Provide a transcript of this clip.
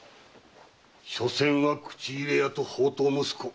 しょせんは口入れ屋と放蕩息子。